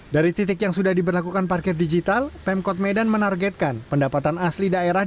dari titik yang sudah diberlakukan parkir digital pemkot medan menargetkan pendapatan asli daerah